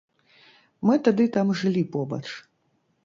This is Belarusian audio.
Мы тады там жылі побач.